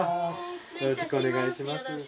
よろしくお願いします。